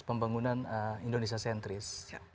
pembangunan indonesia sentris